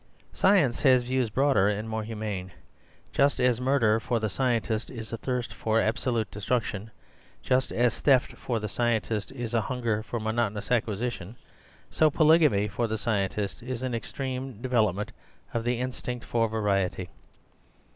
Science has views broader and more humane. Just as murder for the scientist is a thirst for absolute destruction, just as theft for the scientist is a hunger for monotonous acquisition, so polygamy for the scientist is an extreme development of the instinct for variety.